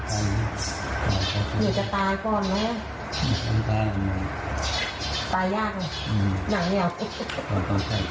ต้องไปเอารถต้องมีทาราทาราอีกหลายหลาย